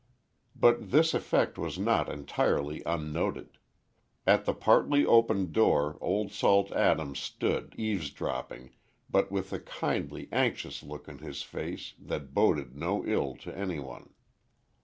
But this effect was not entirely unnoted. At the partly open door, Old Salt Adams, stood, eavesdropping, but with a kindly, anxious look on his face, that boded no ill to any one.